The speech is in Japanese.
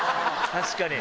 確かに。